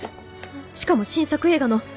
しかも新作映画の！